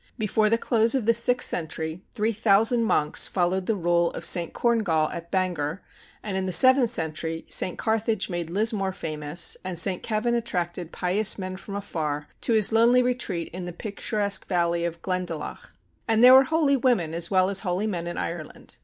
Before the close of the sixth century, 3,000 monks followed the rule of St. Corngall at Bangor; and in the seventh century, St. Carthage made Lismore famous and St. Kevin attracted pious men from afar to his lonely retreat in the picturesque valley of Glendalough. And there were holy women as well as holy men in Ireland.